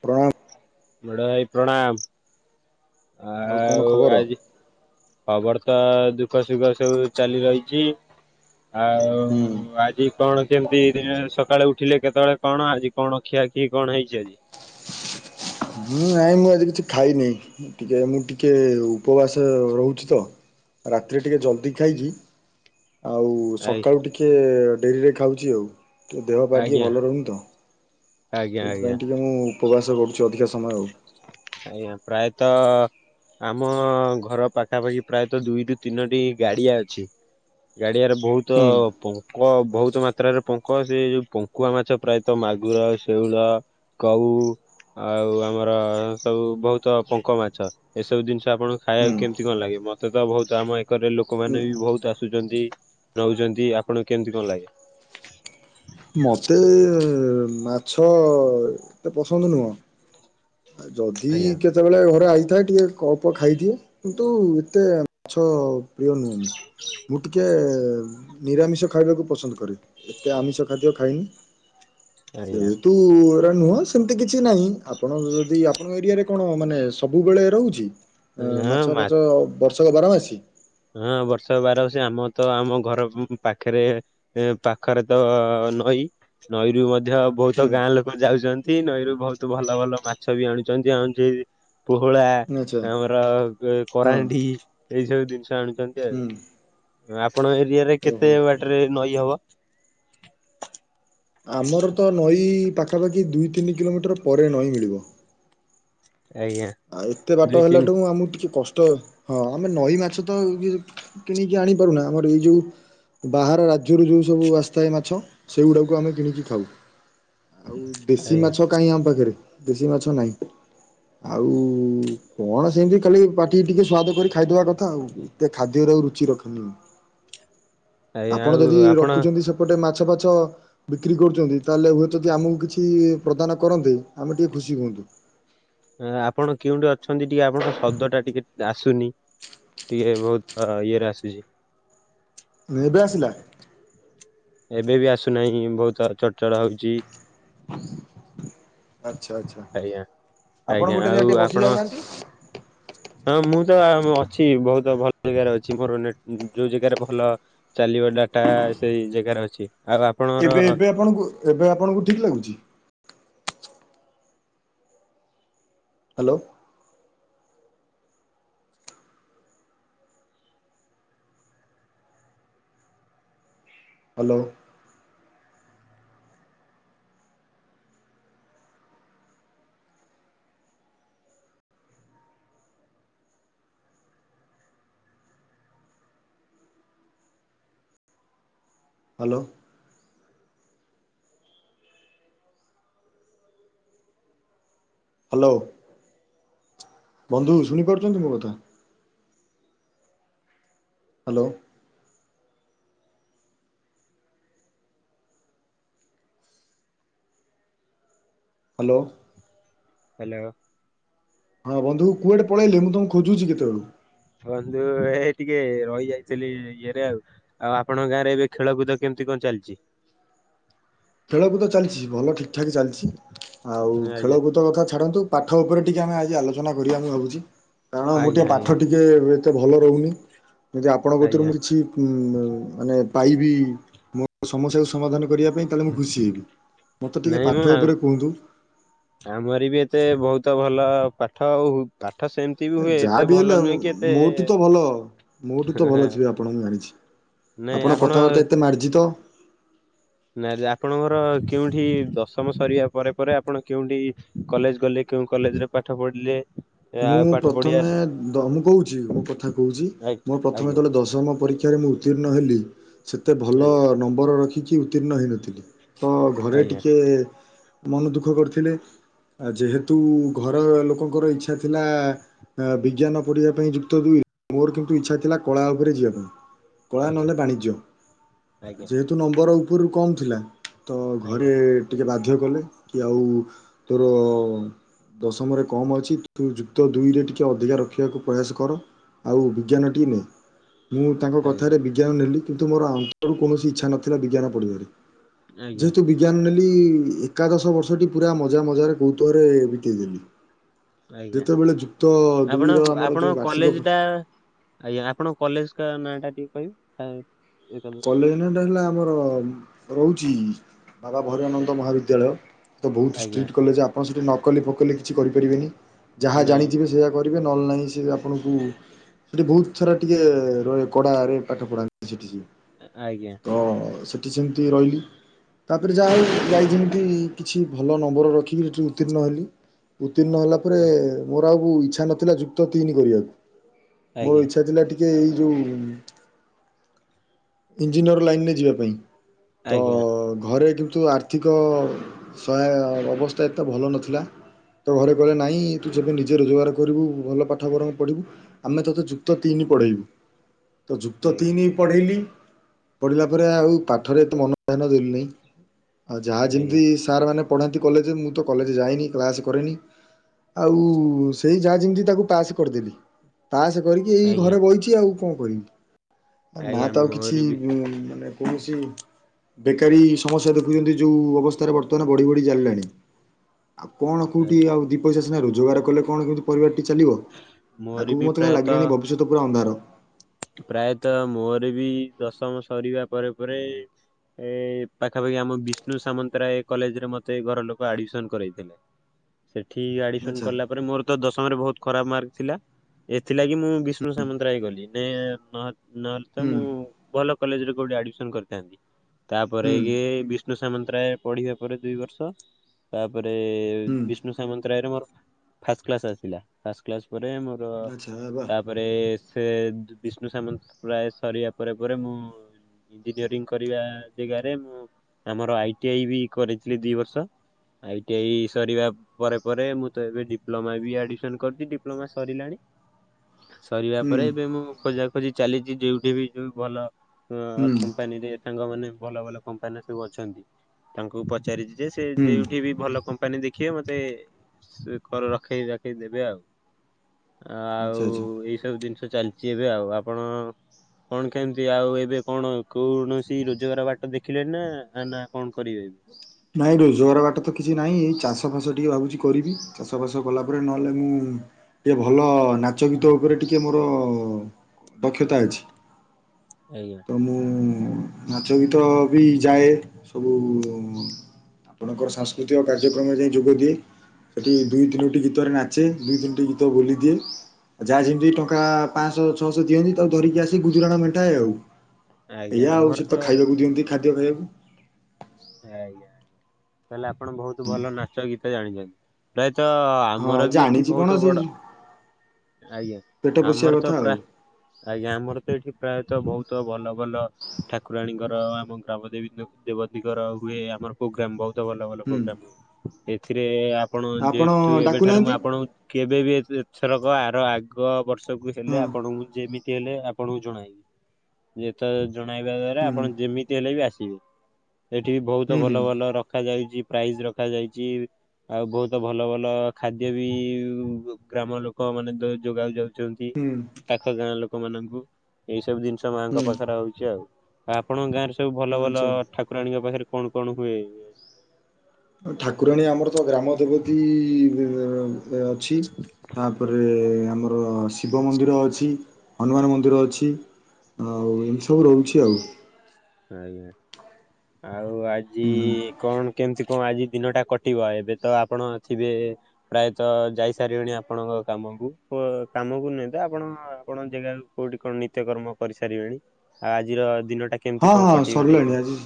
ପ୍ରଣାମ। ବଡ଼ ଭାଇ ପ୍ରଣାମ କଣ ଆଉ ଖବର? ଆଜି ଖବର ତ ଦୁଃଖ ସୁଖ ସବୁ ଚାଲି ରହିଛି ଆଉ ହୁଁ ଆଜି କଣ କେମିତି ସକାଳେ ଉଠିଲେ କେତେବେଳେ କଣ ଆଜି କଣ ଖିଆଖିଇ କଣ ହେଇଚି ଆଜି? ହୁଁ ନାଇଁ ମୁଁ ଆଜି କିଛି ଖାଇନି ଟିକେ ମୁଁ ଟିକେ ଉପବାସ ରହୁଚି ତ। ରାତିରେ ଟିକେ ଜଲ୍ଦି ଖାଇକି ଆଉ ଆଇ ସକାଳୁ ଟିକେ ଡେରିରେ ଖାଉଚି ଆଉ। ଟିକେ ଦେହ ପା ଟିକେ ଆଜ୍ଞା ଭଲ ରହୁନି ତ ଆଜ୍ଞା ଆଜ୍ଞା ସେଇଥିପାଇଁ ଟିକେ ମୁଁ ଉପବାସ କରୁଚି ଅଧିକା ସମୟ ଆଉ। ଆଜ୍ଞା ପ୍ରାୟତଃ ଆମ ଘର ପାଖା ପାଖି ପ୍ରାୟତଃ ଦୁଇରୁୁ ତିନୋଟି ଗାଡିଆ ଅଛି। ଗାଡିଆରେ ବହୁତ ହୁଁ ପଙ୍କ ବହୁତ ମାତ୍ରାରେ ପଙ୍କ ସେ ଯୋଉ ପଙ୍କୁଆ ମାଛ ପ୍ରାୟତଃ ମାଗୁର, ଶେଉଳ କଉ ଆଉ ଆମର ସବୁ ବହୁତ ପଙ୍କ ମାଛ। ଏସବୁ ଜିନିଷ ଆପଣଙ୍କୁ ଖାଇବାକୁ ହୁଁ। କେମିତି କଣ ଲାଗେ ମତେ ତ ବହୁତ ଆମ ଏକରରେ ଲୋକମାନେ ବି ବହୁତ ଆସୁଛନ୍ତି। ନଉଛନ୍ତି ଆପଣଙ୍କୁ କେମିତି କଣ ଲାଗେ? ମୋତେ ମାଛ ଏତେ ପସନ୍ଦ ନୁହଁ। ଯଦି ଆଜ୍ଞା କେ ଯେତେବେଳେ ଘରେ ରହିଥାଏ ଟିକେ ଅଳ୍ପ ଖାଇଦିଏ। କିନ୍ତୁ ଏତେ ମାଛ ପ୍ରିୟ ନୁହେଁ। ମୁଁ ଟିକେ ନିରାମିଷ ଖାଇବାକୁ ପସନ୍ଦ କରେ। ଏତେ ଆମିଷ ଖାଦ୍ୟ ଖାଇନି ଆଜ୍ଞା ଜେହେତୁ ଏରା ନୂଆ ସେମତି କିଛି ନାହିଁ ଆ ଆପଣ ଯଦି ଆପଣଙ୍କ ଏରିଆରେ କଣ ମାନେ ସବୁବେଳେ ରହୁଛି ହଁ ମାଛ ମା ଫାଛ ବର୍ଷକ ବାରମାସୀ? ହଁ ବର୍ଷକ ବାର ମାସି ଆମ ତ ଆମ ଘର ପାଖରେ ଏ ପାଖରେ ତ ନଈ ନଈରୁ ମଧ୍ୟ ବହୁତ ହୁଁ ଗାଁ ଲୋକ ଯାଉଛନ୍ତି ନଈରୁ ବହୁତ ଭଲ ଭଲ ମାଛ ବି ଆଣୁଛନ୍ତି। ଆଉ ଯୋଉ ପୋହଳା ଆଚ୍ଛା ଆମର ହଁ କରାଣ୍ଡି ଏଇ ସବୁ ଜିନିଷ ଆଣୁ। ଛନ୍ତି ହୁଁ ଆଉ ଆପଣଙ୍କ ଏରିଆରେ କେତେ ଓହୋ ବାଟରେ ନଈ ହବ? ଆମର ତ ନଈ ପାଖା ପାଖି ଦୁଇ ତିନି କିଲୋମିଟର ପରେ ନଈ ମିଳିବ। ଆଜ୍ଞା। ଆଉ ଏତେ ବାଟ ଦୁଇ ତିନି ହେଲାଠୁ ଆମକୁ ଟିକେ କଷ୍ଟ। ହଁ ଆମେ ନଈ ମାଛ ତ ଇଏ କିଣିକି ଆଣିପାରୁନା ଆମର ଏଇ ଯୋଉ ବାହାର ରାଜ୍ୟରୁ ଯେଉଁ ସବୁ ଆସିଥାଏ ମାଛ, ସେଗୁଡ଼ାକୁ ଆମେ କିଣିକି ଖାଉ। ଆଉ ଦେଶୀ ଆଜ୍ଞା ମାଛ କାହିଁ ଆମ ପାଖରେ ଦେଶୀ ମାଛ ନାହିଁ। ଆଉ କଣ ସେମିତି ଖାଲି ପାଟିକି ଟିକେ ସ୍ଵାଦ କରି ଖାଇଦବା କଥା ଆଉ। ଏତେ ଖାଦ୍ୟରେ ଆଉ ରୁଚି ରଖନି ହଁ। ଆଜ୍ଞା ଆପଣ ଆଉ ଯଦି ଆପଣ ରଖୁଛନ୍ତି ସେପଟେ ମାଛ ଫାଛ ବିକ୍ରି କରୁଛନ୍ତି ତାହେଲେ ଏବେ ଯଦି ଆମକୁ କିଛି ପ୍ରଦାନ କରନ୍ତେ ଆମେ ଟିକେ ଖୁସି ହୁଅନ୍ତୁ। ଆପଣ କେଉଁଠି ଅଛନ୍ତି ଟିକେ ଆପଣଙ୍କ ଶବ୍ଦଟା ଟିକେ ଆସୁନି ଟିକେ ବହୁତ ଇଏରେ ଆସୁଚି। ଏବେ ଆସିଲା। ଏବେ ବି ଆସୁନାହିଁ ବହୁତ ଆର୍ଗେ ଟଣା ହୋଉଚି। ଆଚ୍ଛା ଆଚ୍ଛା ଆଜ୍ଞା ଆପଣ ଆଜ୍ଞା ଗୋଟେ ଆଉ ଜାଗାରେ ଟିକେ ବସି ଆପଣ ଯାଉନାହାନ୍ତି। ହଁ ମୁଁ ତ ଅଛି ବହୁତ ଭଲ ଜାଗାରେ ଅଛି ମୋର ଯୋଉ ଜାଗାରେ ଭଲ ଚାଲିବ ଡାଟା ସେଇ ଜାଗାରେ ଅଛି। ଆଉ ଆ ଏବେ ଏବେ ଆପଣଙ୍କୁ ଏବେ ଆପଣଙ୍କୁ ଠିକ୍ ଲାଗୁଚି? ହ୍ୟାଲୋ। ହ୍ୟାଲୋ ହ୍ୟାଲୋ ହ୍ୟାଲୋ ବନ୍ଧୁ ଶୁଣି ପାରୁଛନ୍ତି ମୋ କଥା। ହ୍ୟାଲୋ ହ୍ୟାଲୋ ହ୍ୟାଲୋ ହଁ ବନ୍ଧୁ କୁଆଡ଼େ ପଳେଇଲେ ମୁଁ ତମକୁ ଖୋଜୁଛି କେତେବେଳୁ। ବନ୍ଧୁ। ଏଇ ଟିକେ ରହି ଯାଇଥିଲି ଇଏରେ ଆଉ ଆଉ ଆପଣଙ୍କ ଗାଁରେ ଏବେ ଖେଳ କୁଦ କେମିତି କଣ ଚାଲିଛି। ଖେଳକୁଦ ଚାଲିଛି ଭଲ ଠିକ ଠାକ୍ ଚାଲିଛି। ଆଉ ଆଜ୍ଞା ଖେଳକୁଦ କଥା ଛାଡ଼ନ୍ତୁ। ପାଠ ଉପରେ ଟିକିଏ ଆମେ ଆଜି ଆଲୋଚନା କରିବା ମୁଁ ଭାବୁଛି କାରଣ ମୁଁ ଆଜ୍ଞା ଟିକିଏ ପାଠ ଆଜ୍ଞା ଟିକିଏ ଏତେ ଭଲ ରହୁନି। ଯଦି ଆପଣଙ୍କ ପକ୍ଷରୁ ଆଜ୍ଞା ମୁଁ କିଛି ଉଁ ମାନେ ପାଇବି ମୋ ସମସ୍ୟାକୁ ସମାଧାନ କରିବା ପାଇଁ, ତା ହେଲେ ମୁଁ ଖୁସି ହେବି। ମୋତେ ଟିକେ ନାଇଁ ମ ପାଠ ଉପରେ କୁହନ୍ତୁ। ଆମରି ବି ଏତେ ବହୁତ ଭଲ ପାଠ ଆଉ ପାଠ ସେମି ସେମିତି ବି ହୁଏ ଯାହା ଏତେ ବି ଭଲ ହେଲେ ନୁହେଁ କି ଏତେ ମୋଠୁ ତ ଭଲ ମୋଠୁ ତ ଖରାପ ଭଲ ନୁହେଁ। ଥିବେ ଆପଣ ମୁଁ ଜାଣିଛି। ନାଇଁ ଆପଣ କଥାବାର୍ତ୍ତା ଏତେ ମାର୍ଜିତ ନାଇଁ ଆପଣଙ୍କର କେଉଁଠି ଦଶମ ସରିବା ପରେ ପରେ ଆପଣ କେଉଠି କଲେଜ ଗଲେ କେଉଁ କଲେଜରେ। ପାଠ ପଢ଼ିଲେ। ମୁଁ ପ୍ରଥମେ - ଧମକୋହୁଛି ମୋ କଥା କହୁଛି। ଆଜ୍ଞା ମୋର ପ୍ରଥମେ ଆଜ୍ଞା ତତବେଳେ ଦଶମ ପରୀକ୍ଷାରେ ମୁଁ ଉତ୍ତୀର୍ଣ୍ଣ ହେଲି। ସେତେ ଭଲ ନମ୍ବର ରଖି କିିଛି ଉତ୍ତୀର୍ଣ୍ଣ ହୋଇନଥିଲି। ତ ଘରେ ଆଜ୍ଞା ଟିକେ ମନ ଦୁଃଖ କରିଥିଲେ। ଆ ଯେହେତୁ ଘରେ ଲୋକଙ୍କର ଇଚ୍ଛା ଥିଲା ଆ ବିଜ୍ଞାନ ପଢ଼ିବା ପାଇଁ ଯୁକ୍ତ ଦୁଇ ମୋର କିନ୍ତୁ ଇଚ୍ଛା ଥିଲା କଳା ଉପରେ ଯିବା ପାଇଁ। କଳା ଆଜ୍ଞା ନହେଲେ ବାଣିଜ୍ୟ। ଆଜ୍ଞା ଯେହେତୁ ନମ୍ବର ଉପରୁ କମ୍ ଥିଲା ତ ଘରେ ଆଜ୍ଞା ଟିକେ ବାଧ୍ୟ କଲେ କି ଆଉ ତୋର ଦଶମରେ କମ୍ ଅଛି। ତୁ ଯୁକ୍ତ ଦୁଇରେ ଟିକେ ଅଧିକା ରଖିବାକୁ ପ୍ରୟାସ କର ଆଉ ବିଜ୍ଞାନଟି ନେ। ମୁଁ ତାଙ୍କ ଆଜ୍ଞା ଆଜ୍ଞା କଥାରେ ବିଜ୍ଞାନ ନେଲି କିନ୍ତୁ ମୋର ଅନ୍ତରୁ କୌଣସି ଇଚ୍ଛା ନଥିଲା ବିଜ୍ଞାନ ପଢ଼ିବାରେ। ଆଜ୍ଞା ଯେହେତୁ ବି ବିଜ୍ଞାନ ନେଲି ଏକାଦଶ ବର୍ଷଟି ପୁରା ମଜା ମଜାରେ କୌତୁହରେ ବିତେଇଦେଲି। ଆଜ୍ଞା ଯେତେବେଳେ ଯୁକ୍ତ ଆପଣ ଦୁଇର ଆମର ଯୋଉ ଆପଣଙ୍କ ବାର୍ଷିକ କଲେଜ ଟା ଆଜ୍ଞା ଆପଣଙ୍କ କଲେଜ ନାଁ ଟା ଟିକେ କହିବେ। [unintelligible] କଲେଜ ନାଁ ଟା ହେଲା ଆମର ରହୁଛି ବାବା ଭୟର ନନ୍ଦ ମହାବିଦ୍ୟାଳୟ। ତ ବହୁତ ଆଜ୍ଞା ଷ୍ଟ୍ରିକ୍ଟ କଲେଜ ଆପଣ ସେଠି ନକଲି ଫକଲି କିଛି କରିପାରିବେନି ଯାହା ନାଇଁ ଜାଣିଥିବେ ସେଇୟା। କରିବେ ନହେଲେ ନାହିଁ ସେ ଆପଣଙ୍କୁ ସେଠି ବହୁତ ସାରା ଟିକେ ରହେ କଡ଼ାରେ ପାଠ ପଢ଼ାନ୍ତି ସେଠି ସେ। ଆଜ୍ଞା ହଁ ସେଠି ସେମିତି ରହିଲି। ତାପରେ ଯାହା ହଉ ଯାଇ ଯେମିତି କିଛି ଭଲ ନମ୍ବର ରଖିକି ସେଠିକି ଉତ୍ତୀର୍ଣ୍ଣ ହେଲି। ଉତ୍ତୀର୍ଣ୍ଣ ହେଲା ପ ପରେ ମୋର ଆଉ ଇଛା ନଥିଲା ଯୁକ୍ତ ତିନି କରିବାକୁ ମୋର ଆଜ୍ଞା ଇଛା ଥିଲା ଟିକେ ଏଇ ଯେଉଁ ଇଞ୍ଜିନିୟର ଲାଇନରେ ଯିବା ପାଇଁ ତ ଆଜ୍ଞା ଆଜ୍ଞା ଘରେ କିନ୍ତୁ ଆର୍ଥି ଆର୍ଥିକ ସହାୟ ଅବସ୍ଥା ଏତେ ଭଲ ନଥିଲା। ତ ଘରେ କହିଲେ ନାଇଁ ତୁ ଯେବେ ନିଜେ ରୋଜଗାର କରିବୁ ଭଲ ପାଠ ବରଂ ପଢ଼ିବୁ। ଆମେ ତୋତେ ଯୁକ୍ତ ତିନି ପଢେଇବୁ, ତ ଯୁକ୍ତ ତିନି ପଢେଇଲି। ପଢିଲା ପରେ ଆଉ ପାଠରେ ଏତେ ମନଧ୍ୟାନ ଦେଲିନି। ଆଉ ଯାହା ଆଜ୍ଞା ଯେମିତି ସାର୍ ମାନେ ପଢ଼ାନ୍ତି କଲେଜ୍ ରେ, ମୁଁ ତ କଲେଯେ ଯାଇନି କ୍ଲାସ୍ କରେନି। ଆଉ ସେଇ ଯାହା ଯେମିତି ତାକୁ ପାସ୍ କରିଦେଲି। ପାସ୍ କରିକି ଏଇ ଆଜ୍ଞା ଘରେ ବଇଛି ଆଉ କଣ କରିବି। ନା ଆଜ୍ଞା ତ ଆଉ କିଛି ମହର ବି ମାନେ କୌଣସି ବେକାରୀ ସମସ୍ୟା ଦେଖୁଛନ୍ତି ଯୋଉ ଅବସ୍ଥାରେ ବର୍ତ୍ତମାନ ବଢ଼ି ବଢ଼ି ଚାଲିଲାଣି। ଆଉ କଣ କୋଉଠି ଆଉ ଦି ପଇସା ସିନା ରୋଜଗାର କଲେ କଣ କେମତି ପରିବାର ଟି ଚାଲିବ। ମୋର ଆଗକୁ ବି ମତେ କାହିଁ ପ୍ରାୟତଃ ଲାଗିଲାଣି ଭବିଷ୍ୟତ ପୁରା ଅନ୍ଧାର। ପ୍ରାୟତଃ ମୋର ବି ଦଶମ ସରିବା ପରେ ପରେ ଏ ପାଖାପାଖି ଆମ ବିଷ୍ଣୁ ସାମନ୍ତରାୟ କଲେଜରେ ମତେ ଘର ଲୋକ ଆଡମିସନ କରାଇଥିଲେ। [inaudible] ସେଠି ଆଡମିସନ ଆଚ୍ଛା କଲା ପରେ ମୋର ତ ଦଶମ ରେ ବୋହୁତ୍ ଖରାପ ମାର୍କ ଥିଲା। ଏଥିଲାଗି ମୁଁ ବିଷ୍ଣୁ ସାମନ୍ତରା ହେଇ ଗଲି ନ ନହେଲେ ତ ହୁଁ ମୁଁ ଭଲ କଲେଜରେ କୋଉଠି ଆଡମିସନ କରିଥାନ୍ତି। ତାପରେ ହୁଁ ଇଏ ବି ବିଷ୍ଣୁ ସାମନ୍ତରାୟ ପଢିବା ପରେ ଦୁଇ ବର୍ଷ, ତାପରେ ହୁଁ ବିଷ୍ଣୁ ସାମନ୍ତରାୟ ରେ ମୋର ଫାଷ୍ଟ କ୍ଲାସ ଆସିଲା ଫାଷ୍ଟ କ୍ଲାସ ପରେ ମୋର ଆଚ୍ଛା ବା ତା ପରେ ସେ ବିଷ୍ଣୁ ସାମନ୍ତ ରାୟ ସରିବା ପରେ ପରେ ମୁଁ ଇଞ୍ଜିନିୟରିଂ କରିବା ଜାଗାରେ, ମୁଁ ଆମର ଆଇ ଟି ଆଇ ବି କରିଥିଲି ଦି ବର୍ଷ। ଆଇ ଟି ଆଇ ସରିବା ପରେ ପରେ ମୁଁ ତ ଏବେ ଡିପ୍ଲୋମା ବି ଆମିସନ କରିୁଛି ଡିପ୍ଲୋମା ସରିଲାଣି। ସରିବା ହୁଁ ପରେ ଏବେ ମୁଁ ଖୋଜା ଖୋଜି ଚାଲିଛି ଯୋଉଠି ବି ଯୋଉ ଭଲ। ହୁଁ ଅ କମ୍ପାନୀରେ ସାଙ୍ଗ ମାନେ ଭଲ ଭଲ କମ୍ପାନୀରେ ସବୁ ଅଛନ୍ତି ତାଙ୍କୁ ପଚାରିଛି। ଯେ ସେ ହୁଁ ଯଉଠି ବି ଭଲ କମ୍ପାନୀ ଦେଖିବେ ମତେ କର ରଖେଇ ରଖେଇ ଦେବେ ଆଉ। ଆଚ୍ଛା ଆଉ ଆଚ୍ଛା। ଏଇ ସବୁ ଜିନିଷ ଚାଲିଛି ଏବେ ଆଉ। ଆପଣ କଣ କେମିତି ଆଉ ଏବେ କଣ କୌଣସି ରୋଜଗାର ବାଟ ଦେଖିଲେଣିି ନା ନା କଣ କରିବେ ଏବେ? ନାଇଁ ରୋଜଗାର ବାଟ ତ କିଛି ନାହିଁ ଏ ଚାଷ ଫାସ ଟିକେ ଭାବୁଛି କରିବି। ଚାଷ ବାସ କଲା ପରେ ନହେଲେ ମୁଁ ଟିକେ ଭଲ ନାଚ ଗୀତ ଉପରେ ଟିକେ ମୋର ଦକ୍ଷତା ଅଛି। ଆଜ୍ଞା। ତ ମୁଁ ନାଚ ଗୀତ ବି ଯାଏ ସବୁ ଆପଣଙ୍କର ସାଂସ୍କୃତିକ କାର୍ଯ୍ୟକ୍ରମରେ ଯାଇ ଯୋଗ ଦିଏ। ସେଠି ଦୁଇ ତିନୋଟି ଗୀତରେ ନାଚେ ଦୁଇ ତିନୋଟି ଗୀତ ବୋଲିଦିଏ। ଯାହା ଯେମିତି ଟଙ୍କା ପାଞ୍ଚଶହ ଛଅଶହ ଦିଅନ୍ତି ତାକୁ ଧରିକି ଆସି ଗୁଜୁରାଣ ମେଣ୍ଟାଏ ଆଉ। ଆଜ୍ଞା ଆଜ୍ଞା ଏଇଆ ଆଉ ଆମର ସେ ତ ଖାଇବାକୁ ଦିଅନ୍ତି ଖାଦ୍ୟ ଖାଇବାକୁ। ଆଜ୍ଞା। ତାହେଲେ ଆପଣ ବୋହୁତ୍ ଭଲ ନାଚ ଗୀତ ଜାଣିଛନ୍ତି। ପ୍ରାୟତଃ ହଁ ଆମର ବି ଏଠି ଜାଣିଛି କଣ ବହୁତ ସେ ବଡ ଆଜ୍ଞା ପେଟ ପୋଷିବା ଆମର କଥା ତ ଆଉ ପ୍ରାୟ ଆଜ୍ଞା ଆମର ତ ଏଠି ପ୍ରାୟତଃ ବହୁତ ଭଲ ଭଲ ଠାକୁରାଣୀଙ୍କର ଆମ ଗ୍ରାମ ଦେବୀ ଦେବତା ଦିଗର ହୁଏ ଆମର ପ୍ରୋଗ୍ରାମ ବହୁତ ଭଲ ଭଲ ହୁଁ ପ୍ରୋଗ୍ରାମ ହୁଏ। ଏଥିରେ। ଆପଣ ଯେହେତୁ ଏବେଠାରୁ ମୁଁ ଆପଣ କେବେ ବି ଏଥରକ ଆର ଆଗ ବର୍ଷକୁ ହେଲେ ହଁ ଆପଣଙ୍କୁ ଯେମିତି ଏତେ ହେଲେ ଆପଣଙ୍କୁ ଜଣାଏ ଯେ ତ ଜଣାଇବା ଦ୍ଵାରା ହୁଁ ଆପଣ ଯେମିତି ହେଲେ ବି ଆସିବେ। ଏଠି ବି ବହୁତ ହୁଁ ଭଲ ହୁଁ ଭଲ ରଖାଯାଉଛି ପ୍ରାଇଜ ରଖାଯାଇଛି। ଆଉ ବହୁତ ଭଲ ଭଲ ଖାଦ୍ୟ ବି ଗ୍ରାମ ଲୋକ ମାନେ ଯୋଗାଉ ଯାଉଛି। ଛନ୍ତି ହୁଁ ପାଖ ଗାଁ ଲୋକ ମାନଙ୍କୁ ଏଇ ସବୁ ଜିନିଷ ମାଆଙ୍କ ହୁଁ ହୁଁ ପାଖରେ ହଉଛି ଆଉ। ଆପଣଙ୍କ ଗାଁରେ ସବୁ ଭଲ ଭଲ ଆଚ୍ଛା। ଠାକୁରାଣୀଙ୍କ ପାଖରେ କଣ କଣ ହୁଏ? ଠାକୁରାଣୀ ଆମର ତ ଗ୍ରାମ ଦେବତୀ ଅଛି ତାପରେ ଆମର ଶିବ ମନ୍ଦିର ଅଛି ହନୁମାନ ମନ୍ଦିର ଅଛି ଆଉ ଏମିତି ସବୁ ରହୁଛି ଆଉ। ଆଜ୍ଞା ଆଉ ଆଜି ହୁଁ ହୁଁ କଣ। କେମତି କଣ ଆଜି ଦିନଟା କଟିବ ଏବେ ତ ଆପଣ ଥିବେ। ପ୍ରାୟତଃ ଯାଇସାରିବେଣି ଆପଣଙ୍କ କାମକୁ କାମକୁ ନେହେଁ ତ ଆପଣ ଆପଣ ଯେଗାକୁ। କୋଉଠି କଣ ନିତ୍ୟକର୍ମ କରିସାରିବେଣି ଆଉ ଆଜିର ଦିନଟା। ହଁ କେମିତି କଣ ହଁ କଟିବ ଟିକେ ସରିଲାଣି ଆଜି। କହିବେ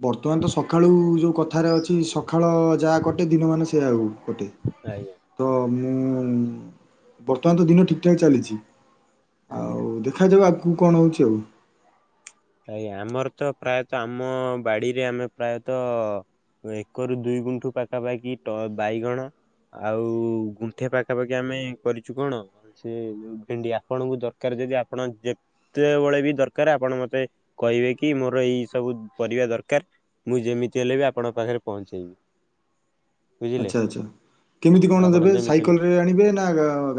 ବର୍ତ୍ତମାନ ତ ସକାଳୁ ଯୋଉ କଥାରେ ଅଛି ସକାଳ ଯାହା କଟେ ଦିନମାନ ସେଆ ଆଉ କଟେ। ଆଜ୍ଞା ତ ମୁଁ ବର୍ତ୍ତମାନ ତ ଦିନ ଠିକ ଠାକ ଚାଲିଛି ଆଜ୍ଞା। ଆଉ ଦେଖ। ଦେଖାଯିବ ଆଗକୁ କଣ ହେଉଛି ଆଉ। ଆଜ୍ଞା ଆମର ତ ପ୍ରାୟତଃ ଆମ ବାଡିରେ ଆମେ ପ୍ରାୟତଃ ଏକରୁ ଦୁଇ ଗୁଣ୍ଠୁ ପାଖାପାଖି ବାଇଗଣ। ଆଉ ଗୁଣ୍ଠେ ପାଖାପାଖି ଆମେ କରିଛୁ କଣ। ସେ ଯୋଉ ଭେଣ୍ଡି ଆପଣଙ୍କୁ ଦରକାର ଯଦି ଆପଣ ଯେତେବେଳେ ବି ଦରକାର ଆପଣ ମତେ କହିବେ କି ମୋର ଏଇ ସବୁ ପରିବା ଦରକାର ମୁଁ ଯେମିତି ହେଲେ ବି ଆପଣଙ୍କ ପାଖରେ ପହଞ୍ଚେଇବି। ଗ ବୁଝିଲେ ଆଚ୍ଛା ଆଚ୍ଛା କେମିତି କଣ ଆପଣ ଦେବେ ଯେମିତି ହେଲେ ସାଇକେଲରେ ଆଣିବେ ନା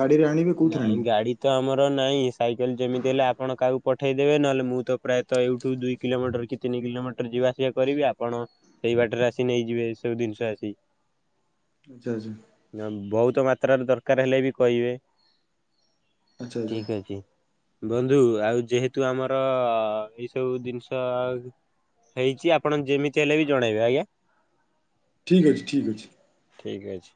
ଗାଡ଼ିରେ ଆଣିବେ କେଉଁଥିରେ ନାଇଁ ଆଣିବେ। ଗାଡି ତ ଆମର ନାହିଁ ସାଇକେଲ ଯେମିତି ହେଲେ ଆପଣ କାହାକୁ ପଠେଇ ଦେେବେ ନହେଲେ ମୁଁ ତ ପ୍ରାୟତଃ ଏଇଠୁ ଦୁଇ କିଲୋମିଟର କି ତିନି କିଲୋମିଟର ଯିବା ଆସିବା କରିବି ଆପଣ ସେଇ ବାଟରେ ଆସି ନେଇଯିବେ ଏ ସବୁ ଜିନିଷ ଆସିି। ଆଚ୍ଛା ଆଚ୍ଛା। ବହୁତ ମାତ୍ର ର ଦରକାର ହେଲେ ବି କହିବେ ଆଚ୍ଛା ଆଚ୍ଛା। ଠିକ ଅଛି। ବନ୍ଧୁ ଆଉ ଯେହେତୁ ଆମର ଏଇ ସବୁ ଜିନିଷ ହେଇଛି ଆପଣ ଯେମିତି ହେଲେ ବି ଜଣେଇବେ ଆଜ୍ଞା। ଠିକ୍ ଅଛି ଠିକ୍ ଅଛି। ଠିକ୍ ଅଛି।